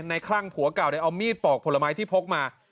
คลั่งผัวเก่าเอามีดปอกผลไม้ที่พกมา